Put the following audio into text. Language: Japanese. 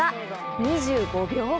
２５秒後。